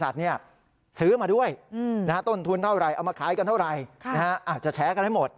ทีวะเอ๊